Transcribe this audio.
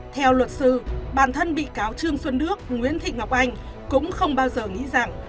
theo luật sư bản thân bị cáo trương xuân đức nguyễn thị ngọc anh cũng không bao giờ nghĩ rằng